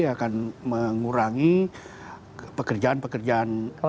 akan mengurangi pekerjaan pekerjaan